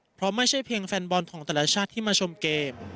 เพราะไม่ใช่เพียงแฟนบอลของแต่ละชาติที่มาชมเกม